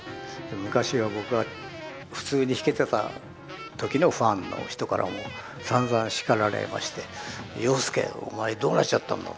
昔は僕が普通に弾けてた時のファンの人からもさんざん叱られまして「洋輔お前どうなっちゃったんだ。